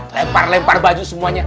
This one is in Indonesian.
lempar lempar baju semuanya